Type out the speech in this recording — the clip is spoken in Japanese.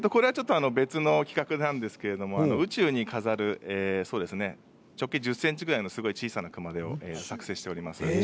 別の企画なんですけれど宇宙に飾る直径１０ｃｍぐらいの小さな熊手を作成しております。